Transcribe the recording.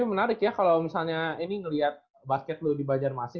ini menarik ya kalau misalnya ini ngelihat basket lo di banjarmasin